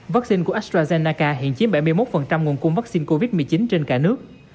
vaccine của astrazennaca hiện chiếm bảy mươi một nguồn cung vaccine covid một mươi chín trên cả nước